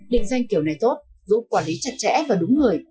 định danh kiểu này tốt giúp quản lý chặt chẽ và đúng người